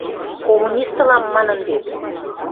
«Коммунист ылам», – манын вет.